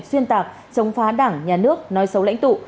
xuyên tạc chống phá đảng nhà nước nói xấu lãnh tụ